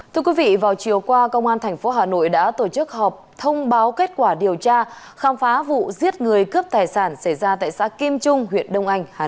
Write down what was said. thưa quý vị vào chiều qua công an tp hà nội đã tổ chức họp thông báo kết quả điều tra khám phá vụ giết người cướp tài sản xảy ra tại xã kim trung huyện đông anh hà nội